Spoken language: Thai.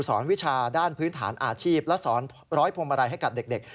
วิชาด้านพื้นฐานอาชีพและสอนร้อยพวงมาลัยให้กับเด็ก